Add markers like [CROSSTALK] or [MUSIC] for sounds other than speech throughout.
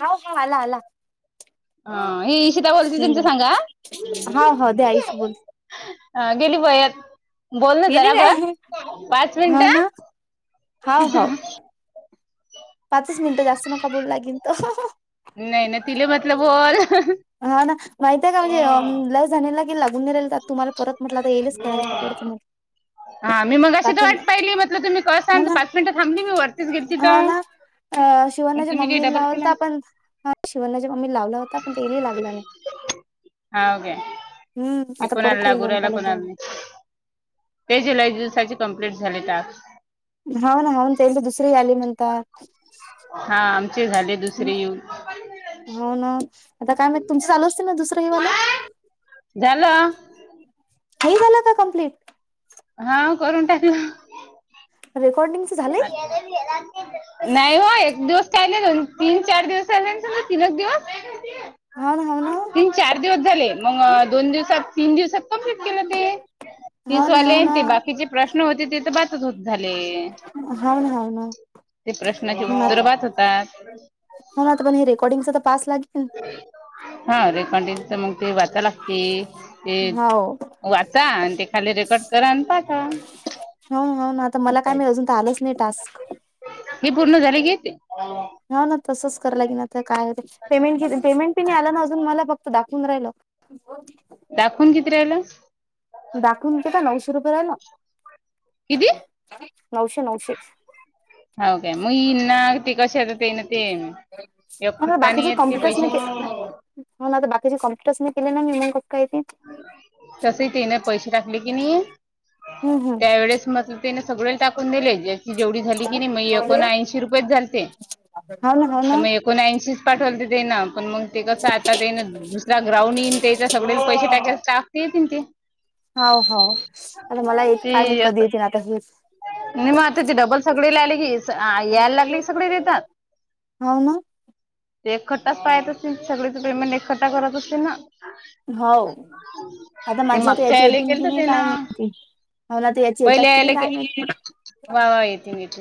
ह ह आला आला. ह ही इशिता बोलते तुमच मेंदू सांगा? हाव हाव दे आयुष बोल अ गेली वयात बोल ना गेली जरा काय बर पाच मिनिट हाव ना पाच मिनिट जास्त नका बर लागेल. नाही ना तिला म्हटलं बोल. हा ना माहित आहे का म्हणजे ल झालेला. लागून रा तुम्हाला परत म्हटलं आता येईच कराला परवडते. हा मी मग अशी तर बाकी वाट पाहिली म्हटलं तुम्ही क हा सांग ना पाच मिनटं थांबली मी वरतीच घेयची तर अ मग शिवनाच्या तुम्ही काही मम्मी डबल केला लावलता पण शिवनाच्या मम्मी लावला होता पण के लागला नाही. हा ओके हम्म ते आता परत कोणाला येईल लागू दोन राहाला कॉलेज कोणाला नाही जाऊन ते जुलै दिवसाचे कंप्लीट झाले तास होा ना होन येल दुसरीे आलीमंत हा आमचे झाले दुसरे येऊन. हो ना आता काय मा तुमच चालू असते ना दुसर झालं. नाही झालं का कमप्लीट? हा करून टाकू. रेकॉडिंग लेला. नाही हो एक दिवस काही नाही दोन तीन चार दिवस ले समर तीनच दिवस हा ना हव ना तीन चार दिवस झाले मग दोन दिवसात तीन दिवसात कम्प्लीट केलं ते हाव ना हाव तीचवाले ना ते बाकीचे प्रश्न होते ते तर बातच होत झाले हा ह ना ते प्रश्नाची ना उत्तर बहात होतात हो ना म हे रेकर्डिंग सा पास लागे हा रेकॉर्डिंगच मग ते वाचाय लागते ते हाव वाचा आणि ते खाली रेकॉर्ड करा आणि पा हो हो ना आता मला काय आहे मिळे अजून तर आलंच नाही टास्क हे पूर्ण झाले कि ते ह ना तसंच कराय ला के काय पेमेंट पेमेंट पि नाही आला ना अजून मला फक्त दाखव चंग राहिल दाखवून किती राहिला दाखवून घता नऊशे रुपये रा ना किती नऊशे नऊशे हो का म नागती कश आातन ते एक खट्टाने बाकीचे येत ते कम्प्युटर्स पैसे न हो म बाकी कमपटशने पला ना मी म ककाती तस ते ना पैसे टाकले की नाही हम्म हम्म त्यावेळेस म ने सगळ टाकून दिले जे जेवढी झाली की नाही मग एकोण ऐंशी रुपयेच झालते हाव ना हाव तर ना मग कोणी ऐंशीच पाठवल तर ते ना पण मग ते कसं आता ते दुसरा ग्राउंड येईन त्याच्या सगळे पैसे टाक टाकतील ते हो हो आता मला येत काय मग ते कधी असं येतील ना आता हेच नाही मग आता ती डबल सगळे लाहिली की यायला लागले की सगळे देतात होा ना ते एकखठ्ठाच पाहत असतील सगळे तिकडे म्हणजे एकखठ्ठा करत असतील ना हो आता ते माझ्या आता मागच्या याची यायला येतील केलं कि तर नाही ते ना काय मिळतील अना तर याची पहिले येतात कि नाही यायला के काय मिळतील वा वा येेते मिट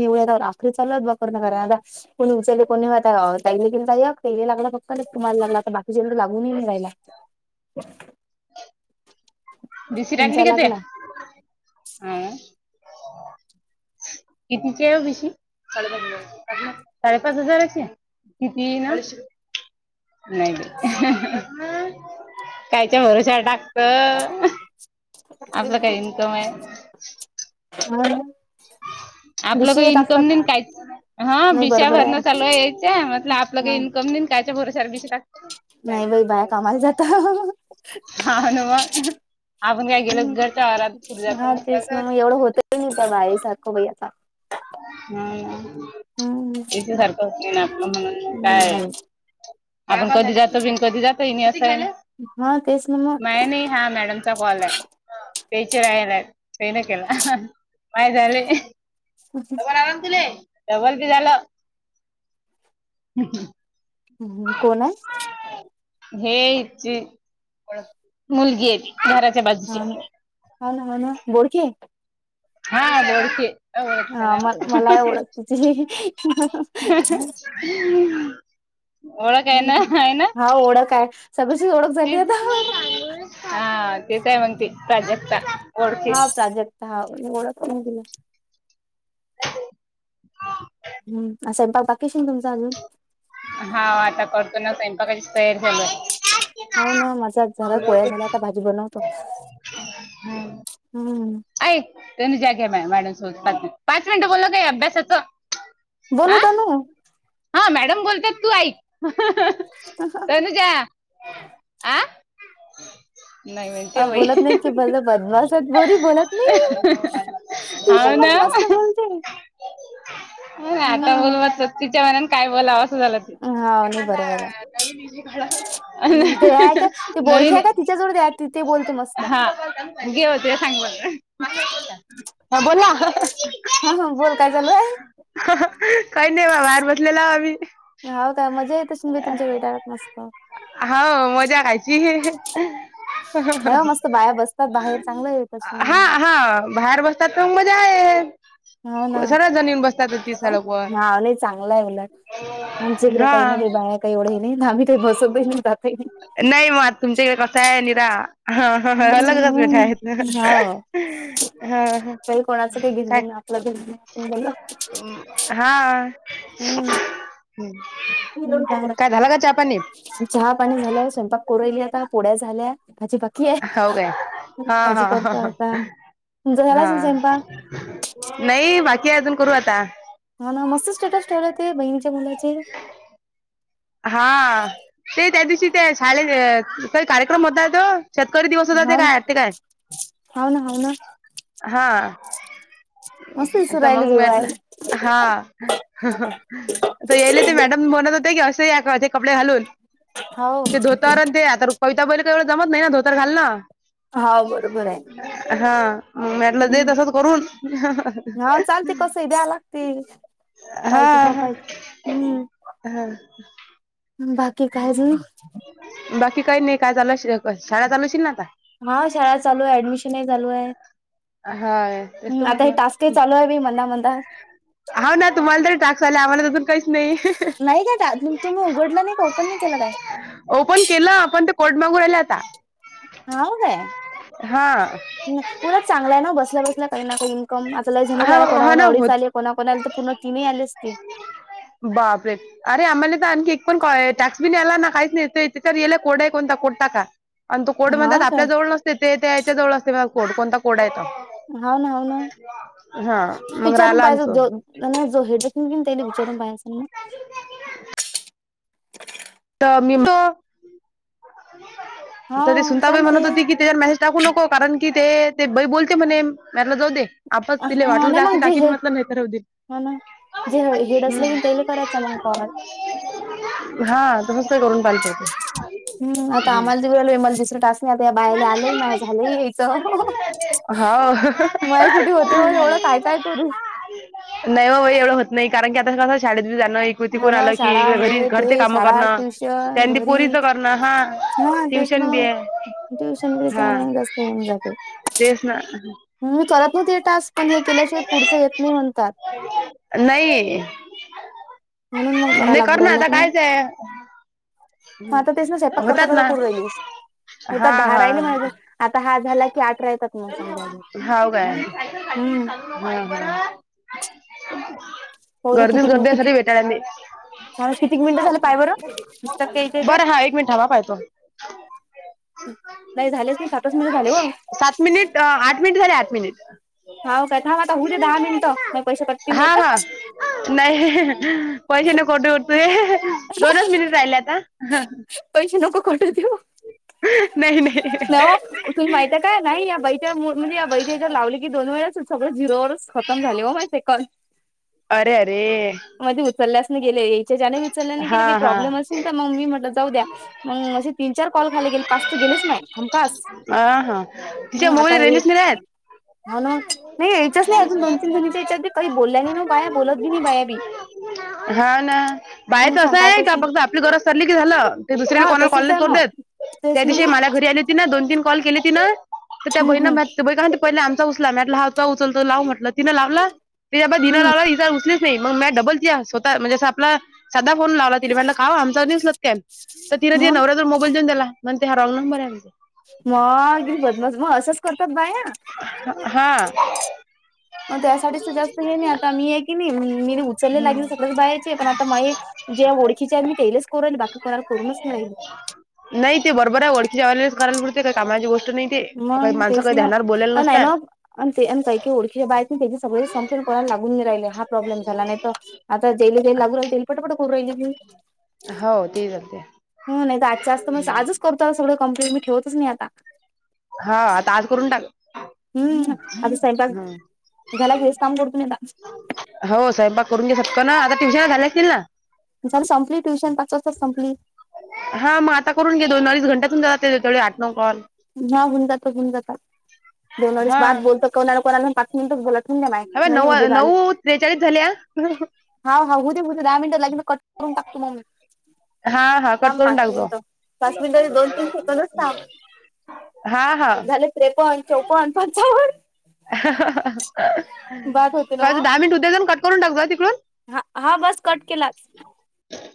एवढ्या आखरी चालत बा कर ना कराय आ कोणी उचले कोणी आता तैला गेल य तै लागला फक्त ना तुम्हाला लागला तरता बाकीच्या ज लागूनही नाही जायला लात अ [UNINTELLIGIBLE] बेसी टांगली तुमचा क ते लागला हम कितीची आहे बेशी साडे साडेपाच हजाराची किती ना नाही कायच्या भरशा टाक आपलं काही इन्कम आहे हा आपलं दिशी का हे इन्कम नाही टाकतात काहीच हा नाही बिशा बरोबर आहे भरण चालू यायचं म्हटल आपलं हा इन्कम देईन कायच्या भोरस बिष का नाही बाई बाया कामाला जाता हा नवा आपण काय गेलो घरच्या आहरात पर्जचा मोकाचत त स आहे सखो भैया हम हम्म त्याच्या सारखं अस ना आपलं म्हणून काय आपण कधी जातो बिन कधी जातोय म असं आहे ना हा तेच ना मा नाही हा मॅडम कॉल आहे तेचे रालाय ते न केला माय झाले होती एवढे की झाल हम् कोण आहे. हे मुलगी आहे घराच्या बाजूची. हा ना हा ना हो ना बोडकीे. हा बोलकी. हा म मला एवढंच. हम. ओळख आहे ना आहे ना हा ओळख आहे सगळ्याचीच ओळख झाली आता हा ते काय मगती प्राजक्ता ओळखी हा प्राजक्ता हा म गोडला ह हा हम् असं बा बारीकशी तुमचा अजून हा आता परतो ना सायंपाका तयार झाल हो ना मजा झाला पोळ्या झाल्या आता भाजी बनवतो हम्म तन ज्या घ्या मॅडम पा पाच मिनिट बोलल का अभ्यासाचं हा बोलत नु हा मॅडम बोलतात तू आईक अनुजा आं नाही म्हण ते वई बोलत नाही की भले बदमाश आहेत पोरी बोलत नाही अ ट्युशन ना. मध्ये मस्त बोलते हो आता हम्म बोल. तिच्या मनाून काय बोला असं झालं त हाव नाही बरोबर आहे हम्म ते आहे का ते बोडखी नवीन आहे का तिच्याजवळ द्या ती ते बोलते मस्त हाय हा. गे होते सांग मला. हा बोला. हा हा बोल काय चालू आहे. काय नाही बाहेर बसलेलव आम्ही. हाव का मजा येत असेन मी तुमच्या वेटळात मस्त. हाव मजा घायची. ये मस्त बाया बसतात बाहेर चांगलं. तसून हा हा बाहेर बसतात तर मग मजा हो ना आहे सर्व जनीन बस हा नाही चांगल आहे उलट आमच्याकडे काही नाही हा का बाया काही एवढं हे नाही ना आम्ही ते काही बसवत जाताही नाही. नाही मग तुमच्याकडे कसा आहे निरा ह अलगच मिेठा हम्म आहेत. हो हा हा काही कोणाचं काय घिनंघिन आपलं [INAUDIBLE] हा हम्म [UNINTELLIGIBLE] काय झाला का चहा पाणी? चहा पाणी झालं स्वयंपाक कोरेली आता पोड्या झाल्यात अजिबात नाही. के हो काय हा भाजी हा हा परततो आता तुमचा झाला हा असलं ना स्वयंपाक? नाही बाकी आहे अजून करू आता हा ना मस्त स्टेटस ठेवलं ते बहीणिच्या मुलाचे हा ते त्या दिवशी ते शाळेत काही कार्यक्रम होता तो शेतकरी दिवस होता ते हाव ना काय ते काय हाव ना हाव ना हा, मस्त दिसू ता राहिले मंग मी म्हटलं जुळवायला हा. आता याईले ते मॅडम बोलत होते की असं. कपडे घालून हाव ते धोतार आणि ते आतंरून पैता पैला का एवढं जमत नाही ना धोतर घाल ना हाव बरोबर आहे हा. मी म्हटलं दे हम्म तसंच करून हा चालते कसंही द्या लागते हा पाहिजे बा पाहिजे. हम्म हा बाकी काय त बाकी काही नाही काय चालू शाळा चालूशील ना आता हा शाळा चालू आहे ऍडमिशनही चालू आहे. हा तेच तर हम्म आता हे म्हटलं टास्क चालू आहे बी मना म होा ना तुम्हाला तरी ट्राक चाला आम्हाला तर पण काहीच नाही नाही काय टा तुम्ही उघडलं नाही का ओपन नाही केलं काय ओपन केलं आपण ते कोर्ट मागूून आहिले आता हाव काय् हा उलट चांगल आहं ना बसल्या बस काही नाही का इन्कम आता लही झणीला हा आला कोण हा ना अडीच होत आले कोणा कोणाला तर पूर्ण तीनही आलेच असतील. बापरे अरे आम्हाला तर आणखी एक पण टॅक्स बि याला ना काहीच नाही याला कोड आहे कोणता कोटा का आणि तो कोड म्हणतात हाव आपल्या काय? जवळ नसतंय ते त्या यायच्या जवळ असते कोड कोणता कोड आहे तो. हाव ना हाव ना हा तू मग विचारून राहिला पाहिज आमचं जो नाही नाही जो [INAUDIBLE] विचारून पाहाय असेल ना तर मी तो तरी हाव सुनताबाई म्हणत चालते. होती कि त्याच्यावर मेसेज टाकू नको कारण की ते बाई बोलते म्हणे मी म्हटलं जाऊ दे. आपच तिला हा वाटलं नाही जाे मग जे काकीन हे म्हटलं नाही तर राहूदे. हा ना. जे हेड असलं की त्याले करायचा मग कॉल. [UNINTELLIGIBLE] हा तुम्हीच ते करून पाहिलं होतं. हम् आता आम्हाला दिऊ आलमला दुसरं टास नाही आता या बायला आलंय माझ झालं यायचं. हा माय कुठे होते हो एवढं काय काय करू नाही वो एवढं होत नाही कारण की आता कसं शाळेत बी जाणं कृती कोून मला आलं शाळा किी घरी हे घरचे ते कामं शाळा करणं ट्युशन त्यां घरी पोरीच करणं हा हा तेच ट्युशन बी नाग आहे ट्युशन हा घच्यामुळे मग जास्त होऊन जाते तेच ना म मी करत नव्हते हे टास्क पण हे केल्याशिवाय पुढच येत नाही म्हणतात नाही म्हणून मग करा नाही लागू कर ना राहिलं आता तुम्ही कायच आहे म आता तेच ना स्वयपाक करता होतात करता ना कोण राहिलीस होता हा दहा राहिले हा म्ह आता हा झाला की आठ राहतात म समजालं हव का होऊ गर्दी गर्दी आहे सरी भेटाडली कितीक मिनटं झाले पा प बर बरं हा एक मिनट ह वा पाहेतो नाही झालेच नाही सातच मिनटं झाले ब सात मिनिट आठ मिनिट झाले आठ मिनिट हाव काय थांब आता होऊ दे दहा मिनिटं माझे पैसे कटतील हा नाही तर हा नाही पैसे नकोठे उठतू दोनच मिनिट राहिले आता पैसेा नको कट देव नाही नाही नवा तु माहितीय काय नाही या बैच्या म्हणजे या बैच्या लावले की दोन वेळे सगळं झिरोवरच खम झाले हो माहि सेक अरे अरे मध्ये उचलल्यास गेले याच्याने उचलल्याने गेले हा काही हा प्रॉब्म असेल ना मी म्हट चौद्या मग असे तीन चार कॉल खाले गेले पाच गेलेच नाही हमखस हा हा तिच्या हम् आता मोबाईल हे हो रेंजेस नाही राहत ह नाही यायच नाही अजून दोन तीन जणीच्या यायच्याती काही बोलल्या नाही ना बाया बोलत बी नाही बाया बी हा ना मग बायचं असं सांग काय आहे का करशील फक्त आपली गरज चाली की झालं ते दुसऱ्याकडे हा कोणाला तसच कॉलनी आहे करो मग देत तेच त्या ना दिवशी मग मला घरी आले तिन दोन तीन कॉल केले तिनं तर त्या हम्म बहीण हम्म म ते ब का ते पहिले आमचा उचला मटला हवता उचलतो लाव म्हट तिन लाला तेबाधिनं हम्म लावला इार उचली नाही मग म डबल स्वतः म्हणजे अस आपला सधदा फोन लावला तिला काा आमचास क तर तिं मग नवऱ्या तर म मोबाईल देऊन त्याला म्हण ते ह रा बर मगिरी बद्मस मग असंच करतात बाया हा म्या साेस् हे नाही आता मी आहे की नाही मी उचलले लागेल सगळंच बाहायचे पण आता मय जे ओळखीचे आहे मी तेलच करुन राहिली. बाकी कोणाला करूनच नाही राहिली. नाही ते बरोबर आहे ओळखीच्या वाल्याचं करायला पुडते कामाची गोष्ट नाही ती काही मग माणसं तेच काही ना ध्यानावर बोलंलेली नाही नसत्यात. ना आणि ते काही की ओळखीच्या बाहेर आहेत सगळे संपेल न कोणाला लागून नाही राहिले आहेत. प्रॉब्लेम झाला नाहीतर, आता तेल ते लागून राहिला आता तेलकट कुठ करून राहिली ही. हो ते चालते हो नाही तर आज जास्त म आजच करतो आ सगळं कं्प्लेट मी ठेवतच नाही आता हा आता आज करून टाक हम्म अ सायपाक झाला वेस काम कडतनला हो साहेबबा करून घ्या सत का ना आता ट्युशनला झाला असतीलल ना झा संपली ट्युशन पाच वाजताच संपली. हा मग आता करून घे दोन अडीच घंटातून जात तेव आठ नऊ कॉल हा होऊन जात होऊन जात दोन वेळेस हा बाद बोलत कोणा कोणाला पाच मिनिटच बोलत ह नऊ नऊ त्रेचाळीस झाले हा हा हो दे होद दहा मििट लागे म कट करून टाकतो मममी हा हा कट करून टाकतो पाच मिनिटाचे दोन तीन सेकंदच हा हा त्रेपन, चौपन, पंचावन बाद होते ना माझ मग दहा मिनिटे होऊद्यात कट करून टाक तिकडून. हा हा बस कट केलाच.